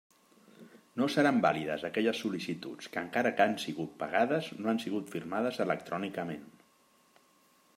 No seran vàlides aquelles sol·licituds que encara que han sigut pagades no han sigut firmades electrònicament.